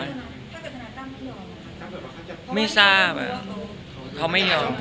ถ้าเกิดธนาตริย์ตั้งไม่ยอมหรือเปล่า